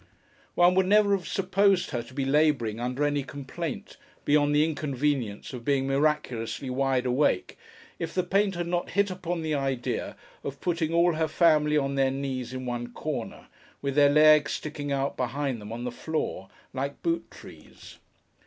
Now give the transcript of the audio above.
One would never have supposed her to be labouring under any complaint, beyond the inconvenience of being miraculously wide awake, if the painter had not hit upon the idea of putting all her family on their knees in one corner, with their legs sticking out behind them on the floor, like boot trees.